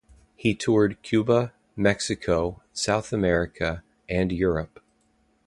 He toured Cuba, Mexico, South America, and Europe.